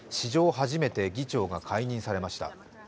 初めて議長が解任されました。